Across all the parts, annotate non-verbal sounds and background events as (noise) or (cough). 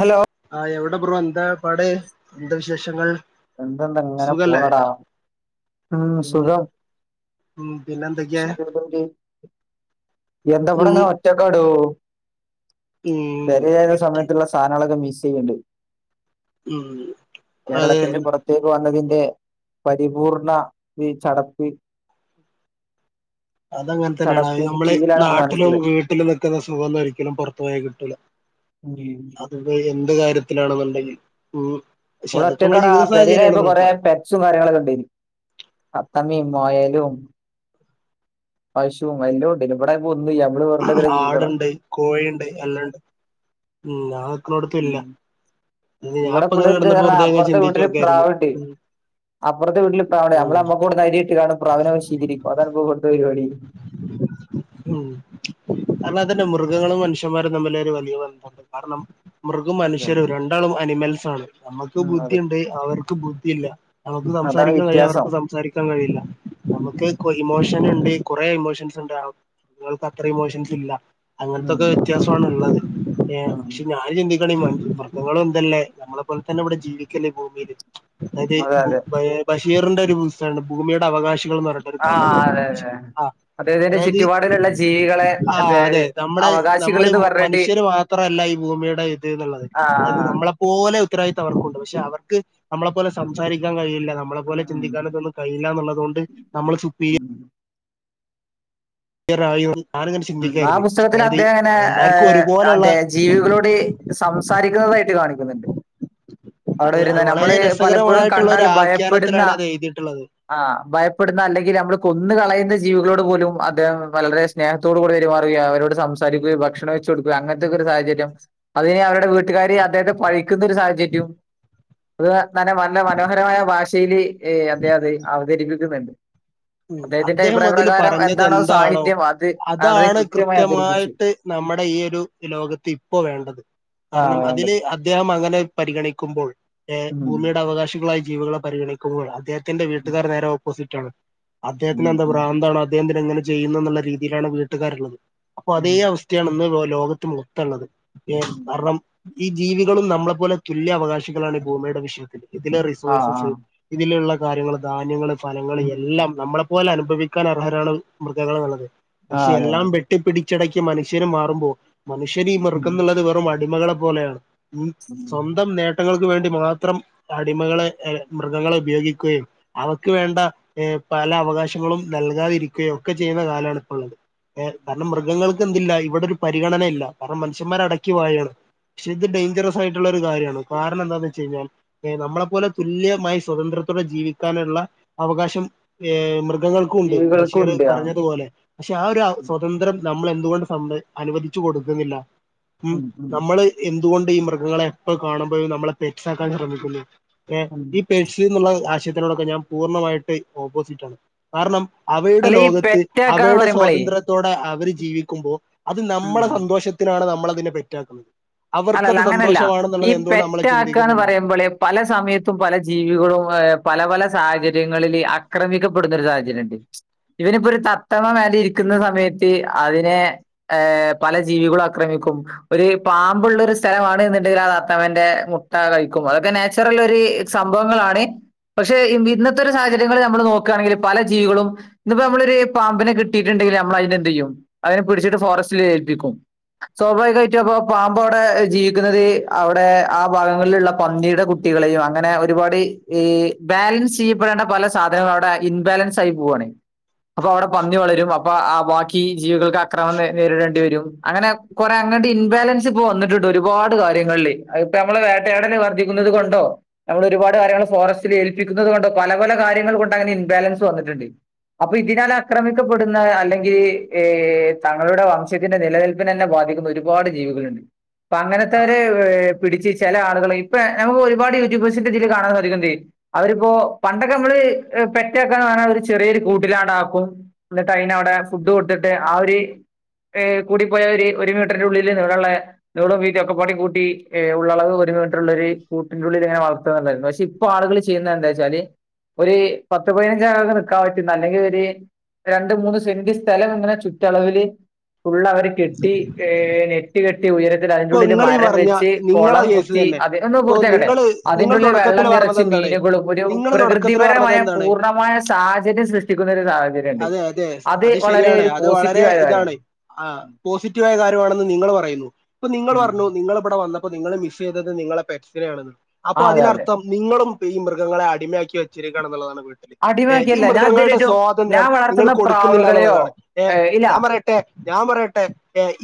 Hello ആഹ് എവിടെ bro എന്താ പാട് എന്താ വിശേഷങ്ങൾ എന്ത്‌ ണ്ട് ഇങ്ങനെ സുഖല്ലേ പോണടാ ഉം സുഖം ഉം പിന്നെ എന്തൊക്കെയാ എന്ത ഉം ബടങ്ങനാ ഒറ്റക്കാടോ ഉം പേരെൽ ആയിരുന്ന ഒറ്റ- സമയത്ത് ള്ള സാനങ്ങളൊക്കെ മിസ്സ്‌ യ്യ്ൻണ്ട് ഉം അതെ ഒറ്റേക്ക് വന്നതിന്റെ പരിപൂർണ ഈ ചടപ്പ് അതങ്ങനെ തന്നാടാ അത് ചടപ്പിന് നമ്മള് കീഴിലാണ് ഇപ്പോ നാട്ടിലും മനസ്സിലായത് വീട്ടിലും നിക്കുന്ന സുഖം ഒന്നും ഒരിക്കലും പുറത്തു പോയാൽ കിട്ടൂല (unintelligible) അത് ഇപ്പോ എന്ത് കാര്യത്തിലാണെന്നുണ്ടെങ്കിലും ഉം പക്ഷെ ഇവിടെ അതൊക്കെ നമ്മളെ ഒറ്റക്കാടാ ജീവിത പേരെൽ ആയപ്പോ സാഹചര്യമാണ് കൊറേ നോക്കുക പെ റ്റ്സും കാര്യങ്ങളൊക്കെ ഉണ്ടേനി തത്തമ്മയും മൊയലും പശും എല്ലോ ണ്ടേനി ഇവിടെ ആയപ്പോ ഒന്നു യ്യാ ആട്ണ്ട് കോഴിണ്ട് എല്ലണ്ട് ഉം ഞാൻ നിക്ക്ണോടത്ത് ഇല്ല ഉം. ഇവിടെ ഞാൻപ്പൊ ഇങ്ങനെ പിള്ളേർക്ക് കിടന്നപ്പൊ പറഞ്ഞാ വേറുതെ ഇങ്ങനെ ചിന്തിച്ചു ക്കായിരുന്നു ഉം അപ്പർത്തെ വീട്ടിൽ പ്രാവ്ണ്ട് ഉം നമ്മള് നമ്മക് കൊടുന്ന അരി ഇട്ട്ങ്ങാണ്ട് പ്രാവിനെ വശീകരിക്കും അതാണ് ഇപ്പോ ഇവിടുത്തെ പരുപാടി ഉം അതന്നേ മൃഗങ്ങളും മനുഷ്യന്മാരും തമ്മില് ഒരു വലിയ ബന്ധണ്ട് കാരണം മൃഗം മനുഷ്യരും രണ്ടാളും അനിമൽസ് ആണ് നമ്മുക്ക് ഉം അതെ ബുദ്ധിയുണ്ട് അവർക്ക് ബുദ്ധിയില്ല നമുക്ക് അതാണ് സംസാരിക്കാൻ കഴിയും വ്യത്യാസം അവർക്ക് സംസാരിക്കാൻ കഴിയില്ല ഉം നമുക്ക് ഇമോഷൻ ഉണ്ട് കുറെ ഇമോഷൻസ് മൃഗങ്ങൾക്ക് അത്ര ഇമോഷൻസ് ഇല്ല അങ്ങനത്തൊക്കെ വിത്യാ വ്യത്യാസാനുള്ളത് ഏഹ് ഉം പക്ഷെ ഞാൻ ചിന്തി മൃഗങ്ങളും എന്തല്ലേ നമ്മളെ പോലെ തന്നെ ഇവിടെ ജീവിക്കല്ലേ ഈ ഭൂമിൽ അതായത് ആഹ് അതെ അതെ ബഷീറിന്റെ ഒരു പുസ്തകണ്ട് ഭൂമിയുടെ അവകാശി കൾ പറഞ്ഞിട്ട് ഒരു കഥണ്ട് ആഹ് അതെ അതെ ആഹ് അതെ ഇതിന്റെ അതായത് ചുറ്റുപാടിലുള്ള ജീവികളെ ആഹ് അതെ നമ്മളെ അവകാശികൾ നമ്മൾ എന്ന് പറഞ്ഞിട്ട് മനുഷ്യര് മാത്രല്ല ഈ ഭൂമിയുടെ ഇത് എന്നുള്ളത് ആഹ് അത് ആഹ് നമ്മളെ പോലെ ഉത്തരവാദിത്തം അവർക്കുണ്ട് പക്ഷെ അവർക്ക് നമ്മളെ പോലെ സംസാരിക്കാൻ കഴിയില്ല നമ്മളെ പോലെ ആഹ് ചിന്തിക്കാനൊക്കെ കഴിയില്ലാനുള്ളതുകൊണ്ട് നമ്മള് ഉം കേറായുൺ ഉം ആഹ് പുസ്തകത്തിൽ അദ്ദേഹം ങ്ങനെ എല്ലാവർക്കും ഒരുപോലെയുള്ള അതെ ജീവികളോട് സംസാരിക്കുന്നതായിട്ട് കാണിക്കുന്നുണ്ട് അവിടെ അത് വരുന്ന അത് വളരെ നമ്മള് പലപ്പോഴും രസകരമായിട്ടുള്ള കണ്ടാൽ ഒരു ഭയപ്പെടുന്ന ആഖ്യാനത്തിലാണ് അത് എഴുതിയിട്ടുള്ളത് ആഹ് ഭയപ്പെടുന്ന അല്ലെങ്കിൽ നമ്മൾ കൊന്ന് കളയുന്ന ജീവികളോട് പോലും അദ്ദേഹം വളരെ സ്നേഹം ത്തോട് കൂടി പെരുമാറുക അവരോട് സംസാരിക്കുക ഭക്ഷണം വെച്ച് കൊടുക്കുക അങ്ങനത്തെക്ക ഒരു സാഹചര്യം അതിന് അവരുടെ വീട്ടുകാരി അദ്ദേഹത്തെ പഴിക്കുന്ന ഒരു സാഹചര്യും അത് നന്നെ നല്ല മനോഹരമായ ഭാഷൽ അദ്ദേഹത് അവതരിപ്പിക്കുന്നുണ്ട് അദേഹത്തിന്റെ അദ്ദേഹം അഭിപ്രായ അതിൽ പ്രകാരം എന്താണോ സാഹിത്യം അത് വളരെ ഇതാണ് കൃത്യമായി അവതരിപ്പിച്ചു. കൃത്യമായിട്ട് നമ്മടെ ഈ ഒരു ലോകത്ത് ഇപ്പോ വേണ്ടത് ആഹ് കാരണം അതില് വേണ്ടത് അദ്ദേഹം അങ്ങനെ പരിഗണിക്കുമ്പോൾ ഉം ഭൂമിയുടെ അവകാശികളായി ജീവികളെ പരിഗണിക്കുമ്പോൾ അദ്ദേഹ ത്തിന്റെ വീട്ടുകാര് നേരെ ഓപ്പോസിറ്റാണ് ഉം അദ്ദേഹത്തിന് എന്താ ഉം ഭ്രാന്താണ് അദ്ദേഹത്തിന് എങ്ങനെ ചെയ്യുന്നെന്നുള്ള രീതിയിലാണ് വീട്ടുകാരുള്ളത് അപ്പൊ ഉം അതേ അവസ് ത്തേണ് ഇന്ന് ലോകത്ത് മൊത്തള്ളത് ഏഹ് ഉം കാരണം ഈ ജീവികളും നമ്മളെപോലെതുല്യ അവകാശികളാണ് ഭൂമിയുടെ വിഷയത്തില് ഇതിലെ ആഹ് റിസോഴ്സസ് ആഹ് ഇതിലുള്ള കാര്യങ്ങള് ധാന്യങ്ങള് ഫലങ്ങള് എല്ലാം നമ്മളെപ്പോലെ അനുഭവിക്കാൻ അർഹരാണ് മൃഗങ്ങളെള്ളത് പക്ഷെ ആഹ് അതെ അതെ എല്ലാംവെ ട്ടിപ്പിടിച്ചടയ്ക്കി മനുഷ്യര് മാറുമ്പോ മനുഷ്യര് ഈ ഉം മൃഗംന്നുള്ളത് വെറും അടിമകള പോലെയാണ് ഉം സ്വന്തം നേ ട്ടങ്ങൾക്ക് വേണ്ടി മാത്രം അടിമകളെ ഏഹ് മൃഗങ്ങളെ ഉപയോഗിക്കുകയും അവക്ക് വേണ്ട ഏഹ് പല അവകാശങ്ങളും നൽകാതിരിക്കുകയോ ഒക്കെ ചെയ്യുന്ന കാലാണ് ഇപ്പള്ളത്ഏഹ് കാരണം മൃഗങ്ങൾ ക്ക് എന്തില്ല ഇവിടെ ഒരു പരിഗണനയില്ല കാരണം മനുഷ്യന്മാര് അടക്കി വഴാണ് പക്ഷെ ഇത് ഡൈഞ്ചറസ് ആയിട്ടുള്ള ഒരു കാര്യാണ് കാരണം എന്താന്ന് വച്ച് കഴിഞ്ഞാൽ പേ നമ്മളെ പോലെ തുല്യമായി സ്വതന്ത്രത്തോടെ ജീവിക്കാനുള്ള അവകാശം ഏഹ് മൃഗങ്ങൾക്കും ഉണ്ട് ബഷീർ ജീവികൾക്കുണ്ട് ആഹ് പറഞ്ഞതുപോലെ പക്ഷെ ആഹ് ഒരു സ്വതന്ത്രം നമ്മള് എന്തുകൊണ്ട് സമ്മതി അനുവദിച്ചു കൊടുക്കുന്നില്ല ഉം നമ്മള് എന്തുകൊണ്ട് ഈ മൃഗങ്ങളെ എപ്പ കാണുമ്പഴും നമ്മളെ പെറ്റ്സാക്കാൻ ശ്രമിക്കുന്നു ഏഹ് ഈ പെറ്റ്സ്ന്നുള്ള ആശയത്തിനോടൊക്കെ ഞാൻ പൂർണ്ണമായിട്ട് ഓപ്പോസിറ്റ് ആണ് കാരണം അവയുടെ അല്ല ഈ ലോകത്ത് പെറ്റാക്കാന്ന് അവയുടെ പറയുമ്പളേ സ്വാതന്ത്ര ത്തോടെ അവര് ജീവിക്കുമ്പോ അത് നമ്മളെ സന്തോഷത്തിനാണ് നമ്മളതിനെ പെറ്റാക്കുന്നത് അവർക്കത് അണല്ലാ അങ്ങനല്ലാ ഈ സന്തോഷമാണെന്നുള്ളത് എന്തുകൊണ്ട് നമ്മള് പെറ്റാക്കാന്ന് ചിന്തിക്കുന്നില്ല പറയുമ്പള് പല സമയത്തും പല ജീവികളും പല പല സാഹചര്യങ്ങളില് ആക്രമിക്കപ്പെടുന്ന ഒരു സാഹചര്യംണ്ട് ഇവനിപ്പോ ഒരു തത്തമ്മ മേലെ ഇരിക്കുന്ന സമയത്ത് അതിനെ ഏഹ് പല ജീവികളും ആക്രമിക്കും ഒരു പാ മ്പുള്ളൊരു സ്ഥലമാണ് എന്നുണ്ടെങ്കിലല് ആ തത്തമ്മൻ്റെ മുട്ട കഴിക്കും അതൊക്കെ നാച്ചുറൽ ഒരു സംഭവങ്ങളാണ് പക്ഷെ ഇന്നത്തെ ഒരു സാഹചര്യങ്ങള് നമ്മള് നോക്കാണെങ്കില് പല ജീവികളും ഇന്ന്പ്പോ നമ്മളൊരു പാമ്പിനെ കിട്ടിട്ടുണ്ടെങ്കിൽ നമ്മള് അയിനെന്തെയ്യും അയിനെ പിടിച്ചിട്ട് ഫോറസ്റ്റില് ഏൽപ്പിക്കും സ്വാഭാവികായിറ്റും അപ്പൊ പാ മ്പവടെ ജീവിക്കുന്നത് അവിടെ ആ ഭാഗങ്ങളിലുള്ള പന്നിടെ കുട്ടികളെയും അങ്ങനെ ഒരുപാട് ഈ ബാലൻസ് ചെയ്യപ്പെടേണ്ട പല സാധനങ്ങളും അവിടെ ഇൻബാലൻസ് ആയി പോവാണ് അപ്പൊ അവടെ പന്നി വളരും അപ്പൊ ആബാക്കി ജീവികൾക്ക് അക്രമം നേരിടേണ്ടി വരും അങ്ങനെ കൊറേ അങ്ങട്ട് ഇൻബാലൻ ച്ച്പ്പോ വന്നിട്ടുണ്ട് ഒരുപാട് കാര്യങ്ങളില് ഇപ്പൊ നമ്മള് വേട്ടയാടല് വർധിക്കുന്നത് കൊണ്ടോ നമ്മൾ ഒരുപാട് കാര്യങ്ങൾ ഫോറസ്റ്റില് ഏൽപ്പിക്കുന്നത് കൊണ്ടോ പല പല കാര്യങ്ങൾ കൊണ്ട് അങ്ങനെ ഇൻബാലൻസ് വന്നിട്ട്ണ്ട് അപ്പൊ ഇതിനാൽ ആക്രമിക്കപ്പെടുന്ന അല്ലെങ്കി ഈ തങ്ങളുടെ വംശത്തിന്റെ നിലനിൽ പിനന്നെ ബാധിക്കുന്ന ഒരുപാട് ജീവികളുണ്ട് അപ്പൊ അങ്ങനത്തെ ഒര് പിടിച്ച് ചെല ആളുകള് ഇപ്പൊ നമുക്ക് ഒരുപാട് യൂട്യൂബേഴ്സിന്റെതില് കാണാൻ സാധിക്ക്ണ്ട് അവരിപ്പോ പണ്ടൊക്കെ നമ്മള് പെറ്റക്കാന്ന് പറഞ്ഞാ ചെറിയൊരു കൂട്ടിലാണാക്കും ഇന്നിട്ട് അയിനവടെ ഫുഡ് കൊടുത്തിട്ട് ആ ഒര് ഏഹ് കൂടിപ്പോയ ഒരു ഒരു മീറ്ററിന്റെ ഉള്ളില് നീളള്ളേ നീളോ വീതി ഒക്കെ പാടിം കൂട്ടിഏഹ് ഉള്ളളവ് ഒരു മീറ്ററ്ള്ളരു കൂട്ടിൻ്റുള്ളില്ങ്ങനെ വളർത്താന്നുണ്ട് പക്ഷെ ഇ പ്പാളുകള് ചെയ്യുന്നത് എന്താച്ചാല് ഒരു പത്ത് പതിനഞ്ച് ആളുകള് നിക്കാൻ പറ്റുന്ന അല്ലെങ്കിൽ ഒര് രണ്ട് മൂന്ന് സെന്റ് സ്ഥലം ഇങ്ങനെ ചുറ്റളവില് ഉള്ള അവര് കെട്ടി ഏഹ് നെ ഇപ്പൊ നിങ്ങളീ പറഞ്ഞ നിങ്ങളെ കുളം കേസ് കുത്തി തന്നെ അത് ഒന്ന് ഇപ്പൊ പൂർത്തിയാക്കട്ടെ നിങ്ങള് അതിൻ്റെ നിങ്ങള് ഉള്ളിൽ വെള്ളം തുടക്കത്തില് പറഞ്ഞത് നിറച്ച് എന്താണ് മീനുകളും ഒരു നിങ്ങള് തുടക്കത്തില് പറഞ്ഞത് പ്രകൃതിപരമായ എന്താണ് പൂർണ്ണമായ സാഹചര്യം സൃഷ്ടിക്കുന്ന ഒരു സാഹചര്യം ഉണ്ട് അതെ അതെ അത് വളരെ ശരിയാണ് ഒരു അത് വളരെ പോസിറ്റീവായ ഇതാണ് കാര്യമാണ് ആഹ് പോസിറ്റീവ് ആയ കാര്യമാണെന്ന് നിങ്ങള് പറയുന്നു ഇപ്പൊ നിങ്ങള് ഉം. പറഞ്ഞു നിങ്ങളിവടെ വന്ന പ്പൊ നിങ്ങളെ വിഷയം ഏതാ നിങ്ങളെ പെറ്റ്സിനാണെന്ന് ആ അപ്പോ അതെ അതെ അതിനർത്ഥം നിങ്ങളും ഈ മൃഗങ്ങളെ അടിമയാക്കി വെച്ചിരിക്കാണാന്നുള്ളതാണ് വി ഏഹ് ഈ അടിമയൊക്കെയല്ല ഞാൻ മൃഗങ്ങളുടെ ഇതുവരെയായിട്ട് സ്വാതന്ത്ര്യം ഞാൻ നിങ്ങൾ വളർത്തുന്ന കൊടുക്കുന്നില്ല പ്രാവുകളെയോ എന്നുള്ളതാണ് ഏഹ് ഏ, ഇല്ല ഞാൻ പറയ ഞാൻ പറയട്ടെ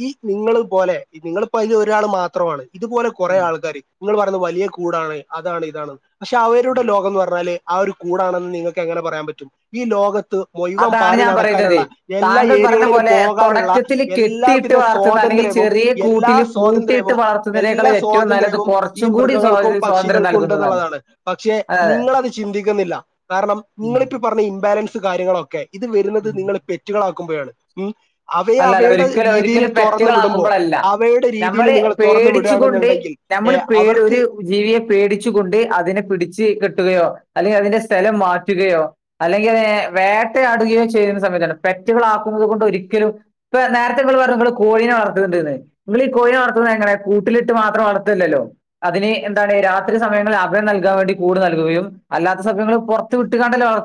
ഈ നിങ്ങൾ പോലെ നിങ്ങളിപ്പോ അയ്ല് ഒരാള് മാത്രമാണ് ഇതുപോലെ കുറെേ ഉം. ആൾക്കാര് നിങ്ങള് പറയുന്നത് വലിയ കൂടാണ് അതാണ് ഇതാണ് പക്ഷെ ഉം. അവരുടെ ലോകന്നു പറഞ്ഞാല് ആ ഒരു കൂടാണെന്ന് നിങ്ങൾക്ക് എങ്ങനെ പറയാൻ പറ്റും ഈ ലോകത്ത് മുഴുവൻ അതാണ് പാറി ഞാൻ പറയുന്നത് നടക്കാനുള്ള എല്ലാ താങ്കൾ പറഞ്ഞ ഏരിയകളിലും പോലെ പോകാനുള്ള തുടക്കത്തിൽ കെട്ടിയിട്ട് എല്ലാവിധ വളർത്തുന്ന അല്ലെങ്കിൽ സ്വാതന്ത്ര്യവും ചെറിയ എല്ലാ കൂട്ടിൽ പൂട്ടിയിട്ട് സ്വാതന്ത്ര്യവും വളർത്തുന്നതിനേക്കാൾ എല്ലാ ഏറ്റവും നല്ലത് സ്വാതന്ത്ര്യവും ഈ കുറച്ചും കൂടി മൃഗങ്ങൾക്കും സ്വാ- സ്വാതന്ത്ര്യം പക്ഷികൾക്കും നൽകുന്നതാണ് ഉണ്ടെന്നുള്ളതാണ് പക്ഷെ നിങ്ങളത് ചിന്തിക്കുന്നില്ല കാരണം ഉം. നിങ്ങളിപ്പം പറഞ്ഞ ഇംബാലൻസ് കാര്യങ്ങളൊ ഇത് വരുന്നത് ഉം. നിങ്ങൾ പെറ്റുകളാക്കുമ്പഴാണ് ഉം അവയെ അല്ല അല്ല അവയുടെ ഒരിക്കലും രീതിയിൽ ഒരിക്കലും തൊറന്ന് വിടുമ്പോ പെറ്റുകളാക്കുമ്പോഴല്ല അവയുടെ രീതിയില് നമ്മള് നിങ്ങള് തൊറന്നു പേടിച്ചുകൊണ്ട് വിടാണെന്നുണ്ടെങ്കിൽ നമ്മൾ ഏഹ് പേടി അവർക്ക് ഒരു ജീവിയെ പേടിച്ചു കൊണ്ട് അതിനെ പിടിച്ച് കെട്ടുകയോ അല്ലെങ്കിൽ അതിന്റെ സ്ഥലം മാറ്റുകയോ അല്ലെങ്കിൽ ഏഹ് വേട്ടയാടുകയോ ചെയ്യുന്ന സമയത്താണ് പെറ്റുകൾ ആക്കുന്നത് കൊണ്ട് ഒരിക്കലും ഇപ്പം നേരത്തെ നിങ്ങള് പറഞ്ഞു നിങ്ങള് കോഴീനെ വർത്തണുണ്ട്ന്ന് നിങ്ങള് ഈ കോഴീനെ വളർത്തുന്നത് എങ്ങനെ കൂട്ടിലിട്ട് മാത്രം വളർത്തല്ലല്ലോ അതിന് എന്താണ് രാത്രി സമയങ്ങളിൽ അഭയം നൽകാൻ വേണ്ടി കൂട് നൽകുകയും അല്ലാത്ത സമയങ്ങളിൽ പുറത്തു വിട്ടുങ്ങാണ്ടല്ലേ വളർ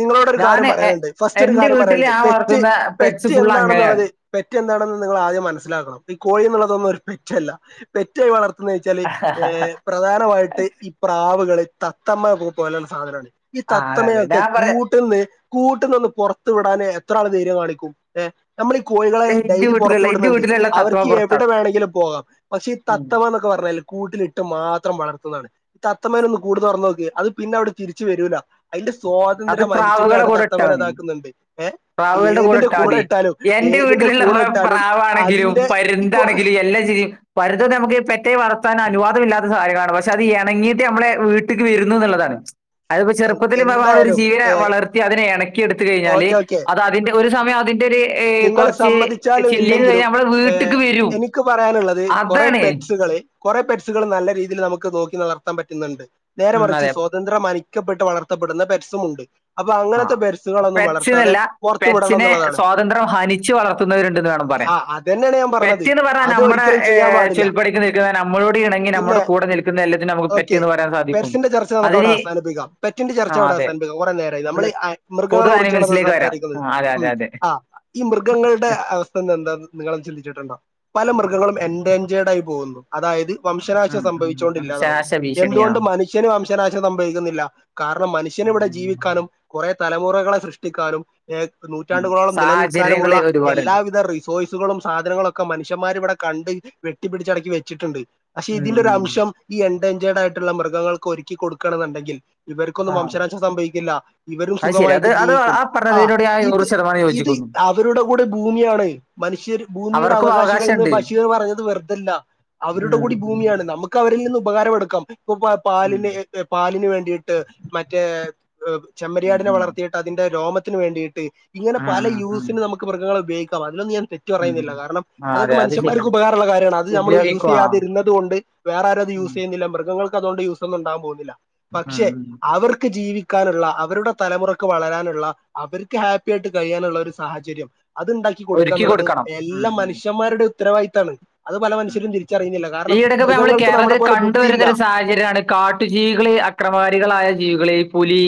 നിങ്ങളോട് ഒരു ഞാൻ കാര്യം പറയാനുണ്ട് ഫസ്റ്റ് ഒരു എന്റെ കാര്യം വീട്ടിൽ പറയാനുണ്ട് ഞാൻ വളർത്തുന്ന പെട്സ് ഫുൾ അങ്ങനെയാണ് പെറ്റെന്താണെന്ന് നിങ്ങൾ ആദ്യം മനസ്സിലാക്കണം ഈ കോഴി എന്നുള്ളതൊന്നും ഒരു പെറ്റല്ല പെറ്റുകളെ വളർത്തുന്ന വെച്ചാല് ആഹ് പ്രധാനമായിട്ട് ഇ പ്രാവുകൾ തത്തമ്മ പോലുള്ള സാധനമാണ് ഈ അതെ അതെ തത്തമ്മയൊക്കെ ഞാൻ പറയാ കൂട്ടീന്ന് കൂട്ടീന്നൊന്നു പുറത്തു വിടാൻ എത്ര ആള് ധൈര്യം കാണിക്കും ഏ നമ്മൾ ഈ കോഴികളെ ഇന്റെ ഡെയ്‌ലി പുറത്തു വീട്ടിലുള്ള ഇന്റെ വിടുന്നുണ്ട് ന്തു വീട്ടിലുള്ള തത്തമ്മ അവർക്ക് എവിടെ പുറത്താണ് വേണമെങ്കിലും പോകാം പക്ഷേ ഈ ഉം തത്തമ്മ എന്നൊക്കെ പറഞ്ഞാല് കൂട്ടിലിട്ട് മാത്രം വളർത്തുന്നതാണ് തത്തമേനെ ഒന്ന് കൂട് തുറന്നു നോക്കു അത് പിന്നെവിടെ തിരിച്ചു വരൂല അതിന്റെ സ്വാ അത് പ്രാവുകളുടെ കൂടെ ഇട്ടാൽ മതി ഏ പ്രാവുകളുടെ കൂടെ ഏതിന്റെ ഇട്ടാൽ മതി ഇട്ടാലും എന്റെ ഏതിന്റെ വീട്ടിലുള്ള കൂടെ ഇട്ടാലും പ്രാവു ആണെങ്കിലും അതിന്റെ ഇപ്പൊ പരുന്താണെങ്കിലും എല്ലാം ചെയ്യും പരുന്ത് നമുക്ക് പെറ്റേ വളത്താൻ അനുവാദമില്ലാത്ത സാഹചര്യമാണ് പക്ഷെ അത് ഇണങ്ങീയിട്ട് നമ്മളെ വീട്ടിക്ക് വരുന്നു എന്നുള്ളതാണ് അതിപ്പം ചെറുപ്പത്തില് ഒരു എന്തായാലും അതിനെ ഏ വളർത്തി അതിനെ എണക്കിയെടുത്തു കഴിഞ്ഞാല് ഓക്കെ ഓക്കെ അത് അതിന്റെ ഒരു സമയം അതിന്റെ എ നിങ്ങൾ കുറച്ച് സമ്മതിച്ചാലും ചില്ലന്ന് ഇല്ലെങ്കിലും കഴിഞ്ഞാൽ നമ്മളെ ഏ വീട്ടക്ക് വരും എനിക്ക് പറയാനുള്ളത് കുറെ അതാണ് കുറെ പെറ്റ്സുകൾ നല്ല രീതിയിൽ നമുക്ക് നോക്കി നളർത്താൻ പറ്റുന്നുണ്ട് ഉം നേരെമറിച്ച് അതെ സ്വതന്ത്രം മരിക്കപ്പെട്ട് വളർത്തപ്പെടുന്ന പെട്സുമുണ്ട് അപ്പൊ ആ അങ്ങനത്തെ പെറ്സുകളൊന്നും വളർത്താതെ പുറത്തു വിടണം എന്നുള്ളതാണ് സ്വതത്രം ഹരിച്ച് വളർത്തുന്നവരുണ്ടെന്ന് വേണം പറയാം ആ അത് തന്നെയാണ് ഞാൻ പറഞ്ഞത് പെറ്റെന്നു പറഞ്ഞ അത് നമ്മുടെ ഒരിക്കലും ചെയ്യാൻ പാടില്ല ചൊല്പടിക്കു നിൽക്കുന്ന നമ്മളോട് ഇണങ്ങി പിന്നെ നമ്മുടെ കൂടെ നിൽക്കുന്ന ഇതിനെ എല്ലാത്തിനും നമുക്ക് ഓക്കെ പെറ്റന്നു പറയാൻ സാധിക്കും പെറ്റ്സിന്റെ ചർച്ച നമുക്ക് അതിന് ആ അതെ കുറെേ നേരമായി നമ്മൾ നമുക്ക് പൊതു മൃഗങ്ങളെ കുറിച്ചാണ് അനിമൽസിലേക്ക് വരാം സംസാരിക്കുന്നത് ആ, അതെ അതെ ഉം അതെ ആ ഈ മൃഗങ്ങളുടെ അവസ്ഥ എന്താന്ന്‌ നിങ്ങള് ചിന്തിച്ചിട്ടുണ്ടോ പല മൃഗങ്ങളും എൻഡേഞ്ചേർഡ് ആയി പോകുന്നു അതായത് വംശനാശം ഉം, സംഭവിച്ചുകൊണ്ട് ഉം. ഇല്ലാതാവുന്നു ശനാശ ഭീഷണിയാ എന്തുകൊണ്ട് മനുഷ്യൻ മനഷ്യനും വംശനാശം സംഭവിക്കുന്നില്ല കാരണം മനുഷ്യനും ഇവിടെ ജീവിക്കാനും കുറെേ തലമുറകളെ സൃഷ്ടിക്കാനും ഏ ഉം. നൂറ്റാണ്ടുകളോളം സാഹചര്യങ്ങൾ നിലനിൽക്കാനുമുള്ള ഒരുപാടുണ്ട് എല്ലാവിധ വിവിധ റിസോഴ്സുകളും സാധനങ്ങളും ഒക്കെ മനുഷ്യമാരിവിടെ കണ്ട് കെ ട്ടിപിടിച്ചിടക്കി ഇവിടെ വെച്ചിട്ടുണ്ട് പക്ഷെ ഉം, ഇതിലെ ഉം. ഒരുരംശം ഈ എൻഡേഞ്ചേർഡ് ആയിട്ടുള്ള മൃഗങ്ങൾക്ക് ഒരുക്കി കൊടുക്കണമെന്ന് ഉണ്ടെങ്കിൽ ആ ഇവർക്കൊന്നും വംശനാശം സംഭവിക്കില്ല ഇവരും അത് ശരി അത് സുഖമായിട്ട് അത് ജീവിക്കും ആ പറഞ്ഞതിനോട് ഞാൻ നൂറ് ഇത് ശതമാനം ഇത് യോജിക്കുന്നു ആ അവരുടെ കൂടെ ഭൂമിയാണ് മനുഷ്യർ ഭൂമിയുടെ അവർക്കും അവകാശികൾ എന്ന് അവകാശമുണ്ട് ബഷീർ പറഞ്ഞത് വെറുതല്ല ഉം അവരുടെ കൂടി ഉം ഭൂമിയാണ് നമ്മൾ നമുക്ക് അവരിൽ നിന്നും ഉപകാരംമടുക്കാം ഇപ്പൊ ഉം പാലിന് പാലിന് വേണ്ടിയിട്ട് മറ്റേ ഉം ചെമ്മരിയാടിനെ ഉം വളർത്തിയിട്ട് അതിന്റെ രോമത്തിന് വേണ്ടിയിട്ട് ഇങ്ങനെ പല ഉം ഉം യൂസ് ഉം. മൃഗങ്ങ ഉയോഗിക്കാം അതിനൊന്നും ഞാൻ തെറ്റ് ഉം പറയുന്നില്ല കാരണം ആ അതൊക്കെ അതെ അത് മനുഷ്യൻമാർക്ക് ശരിയാണ് ഉകാരമുള്ള കാര്യമാണ് അത് നമ്മൾ യൂസ് ഉപയോഗിക്കും ആ ചെയ്യാതിരുന്നത് കൊണ്ട വേറെആരും അത് ഉം യൂസ് ചെയ്യുന്നില്ല മൃഗങ്ങൾ അതൊണ്ട് യൂസ് ഒന്നും ഉണ്ടാവാൻ പോകുന്നില്ല ഉം പക്ഷെ ഉം അവർക്ക് ജീവിക്ക ജീവിക്കാനുള്ള അവരുടെ തലമുറക്ക് വളരാനുള്ള അവർക്ക് ഹാപ്പിയായിട്ടു കഴിയാനുള്ള ഒരു സാഹചര്യം അത് ഇണ്ടാക്കി കൊടുക്കുക ഒരുക്കി എന്നുള്ളത് കൊടുക്കണം ഉം എല്ലാ ഉം മനുഷ്യന്മാരുടെ ഉത്തരവാദിത്താണ് അത് പല ഉം മനുഷ്യരും തിരിച്ചറിയുന്നില്ല കാരണം മൃഗങ്ങൾക്ക് നമ്മുടെ പോലെ ബുദ്ധിയില്ല സാഹചര്യാണ് കാട്ടുജീവികളെ അക്രമാരികളായ ജീവികളെയും പുലി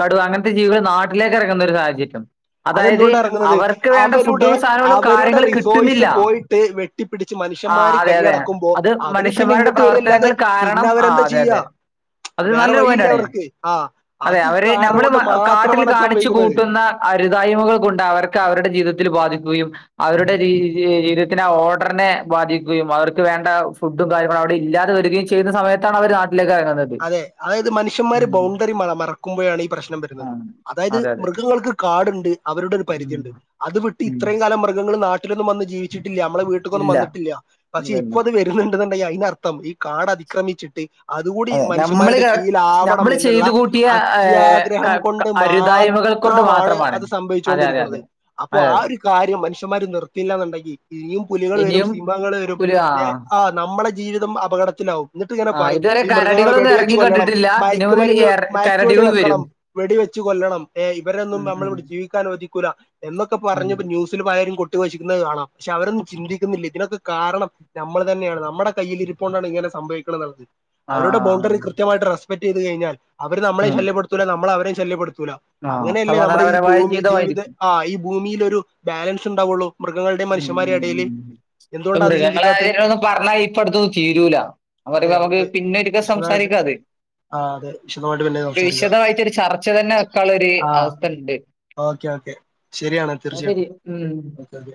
കടുവ അങ്ങൻത്തെ ജീവികൾ നാട്ടിലേക്ക് എറങ്ങുന്ന ഒരു സാഹചര്യം അതായത് അതെന്തുകൊണ്ടാ ഇറങ്ങുന്നത് അവർക്ക് വേണ്ട അവരുടെ ഫുഡും സാധനങ്ങളും കാര്യങ്ങള് കിട്ടുന്നില്ല ട്ടേ വെ വെട്ടിപ്പിടിച്ച് ആ മനുഷ്യന്മാര് അതെ അതെ കയ്യടക്കുമ്പോ അത് അവര് പിന്നെ മനുഷ്യന്മാരുടെ ഇങ്ങട്ട് വര് അല്ലാതെ പ്രവർത്തനങ്ങൾ പിന്നെ കാരണം ആ അവരെന്താ അതെ ചെയ്യാ അതെ അത് വേറെ നല്ലൊരു വഴിയില്ല പോയിന്റാണ് അവർക്ക് ആഹ് അതെ അത് അവര് കാരണം നമ്മള് കൊണ്ട് മ- കാട്ടിൽ മാത്രമാണത് കാണിച്ചു സംഭവിക്കുന്നത്. കൂട്ടുന്ന അരുതായ്മകൾ കൊണ്ട് അവർക്ക് അവരുടെ ജീവിതത്തിൽ ബാധിക്കുകയും അവരുടെ രീ രീ ജീവിതത്തിന് ആ ഓർഡറിനെ ബാധിക്കുകയും അവർക്ക് വേണ്ട ഫുഡും കാര്യങ്ങളും അവിടെ ഇല്ലാതെ വരികയും ചെയ്യുന്ന സമയത്താണ് അവർ നാട്ടിലേക്ക് എറങ്ങുന്നത്. അതെ അതായത് മനുഷ്യന്മാര് ബൗണ്ടറി മറ മറക്കുമ്പോഴാണ് ഈ പ്രശ്നം ആ, വരുന്നത്. അതായത് അതെ അതെ മൃഗങ്ങൾക്ക് കാട്ണ്ട് അവരുടെ ഒരു ഉം. പരിധിണ്ട്. അത് വിട്ട് ഉം. ഇത്രയും കാലം മൃഗങ്ങൾ നാ ട്ടിലൊന്നും വന്ന് ജീവിച്ചിട്ടില്ല നമ്മളെ വീട്ട്ക്കൊന്നും ഇല്ല വന്നിട്ടില്ല പക്ഷേ ഇല്ലല്ലോ ഇപ്പത് വെ ര്ണ്ട്ന്ന്ണ്ടെങ്കി അയിനർത്ഥം ഈ കാട് അതിക്രമിച്ചിട്ട് അത് കൂ ടി അതെ നമ്മള് മനുഷ്യമാരുടെ ക- കീഴിലാവണം നമ്മള് എന്ന്ള്ള ചെയ്തു കൂട്ടിയ ഏ, അത്യാഗ്രഹം ക- കൊണ്ട് ക- മാ അരുതായ്മകൾ കൊണ്ട് ത്രമാണ് മാത്രമാണ് അത് അതെ അതെ സംഭവിച്ചുകൊണ്ടിരിക്ക്ണത്. അതെ അപ്പോ അതെ ആ അതെ ഒരു കാര്യം മനുഷ്യന്മാര് നിർത്തിയില്ലാന്ന്ണ്ടെങ്കി ഇനിയും പുലികൾ വരും ഇനിയും സിംഹങ്ങൾ വരും പുലി ആ ഏഹ്, ആഹ് നമ്മളെ ജീവിതം അപകടത്തിലാവും. ഇന്നട്ട് ഇങ്ങനെ ആ പറയും ഇതുവരെ ഈ മൃഗങ്ങള് കരടികളൊന്നും വെടി വെച്ച് ഇറങ്ങി കൊല്ലണം കണ്ടിട്ടില്ല ഇനി മുതൽ മയക്ക്മരുന്ന് മയക്ക് വെടി കരടികൾ വരും വെക്കണം വെടി വെച്ച് കൊല്ലണം. ഏഹ് ഇവരൊന്നും ഉം നമ്മൾ ഉം ഇവടെ ജീവിക്കാൻ അനുവദിക്കൂല എന്നൊക്കെ ഉം. പറഞ്ഞ് ഇപ്പ ന്യൂസ് സിൽ പലരും കൊട്ടി ഘോശിക്കുന്നത് കാണാ. പഷേ അവരൊന്നും ചിന്തിക്കുന്നില്ല ഇതിനൊക്കെ കാരണം നമ്മൾ തന്നെയാണ്. നമ്മടെ കയ്യിലിരിപ്പോണ്ടാണ് ഇങ്ങനെ സംഭവിക്ക്ണേന്ന്ള്ളത്. ആ അവരുടെ ആ ബൗ ആ. കൃത്യമായിട്ട് റെസ്പെക്ട് ചെയ്ത് കഴിഞ്ഞാൽ അവര് നമ്മളെയും ഉം. ശല്യപ്പെടുത്തൂല നമ്മള് അവരെയും ശല്യപ്പെടുത്തൂല. ആ അങ്ങനെയല്ലേ നമ്മുടെ ഈ സമാധാനപരമായ ഭൂമി ജീവിത ജീവിതമായിരിക്കും ആഹ് ഈ ഭൂമിലൊരു ബാലൻസ് ഉണ്ടാവൊള്ളൂ. മൃഗങ്ങൾടിം മനുഷ്യമാരി എടേല്. ഇപ്പം മൃഗങ്ങളെ കാര്യം (unintelligible) പറഞ്ഞാ ഇപ്പ അടുത്തൊന്നും തീരൂല. അഹ് പറയുമ്പോ നമുക്ക് പിന്നൊരിക്കെ വിശദമായിട്ട് സംസാരിക്കാ അത്. ആ അതെ വിശദമായിട്ട് പിന്നെ ഒര് സംസാരിക്കാം വിശദമായിട്ടൊരു ചർച്ച തന്നെ വെക്കാള്ളാര് ആഹ് അവസ്ഥണ്ട്. Okay okay. ശരിയാണ് തീർച്ചയായിട്ടും ഉം ഓക്കെ ഓക്കെ.